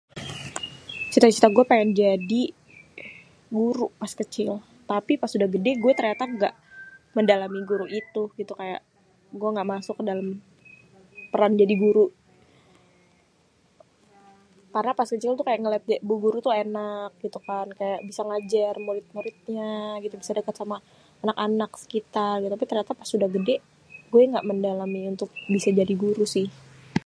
serius dah gué péngén jadi guru pas kecil, tapi pas gédé gua ternyata ga mendalami guru itu, itu kaya gua ga masuk ke dalém peran jadi guru, karna pas masih kecil itu ngéliat ke bu guru tuh enak gitukan kaya bisa ngajar baik-baiknya gitu, bisa dékét sama anak-anak sekitar, tapi ternyata pas udah gédé gué ga mendalami untuk bisa jadi guru itu sih.